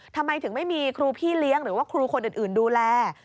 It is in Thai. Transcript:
ทำไมถึงไม่มีครูพี่เลี้ยงหรือว่าครูคนอื่นดูแล